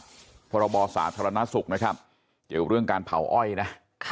พรบสาธารณสุขนะครับเกี่ยวเรื่องการเผาอ้อยนะ